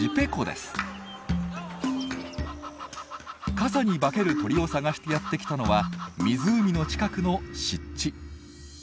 傘に化ける鳥を探してやって来たのは湖の近くの湿地。